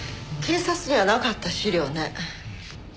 警察にはなかった資料ね。